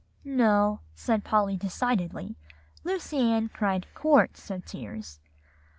"No," said Polly decidedly. "Lucy Ann cried quarts of tears.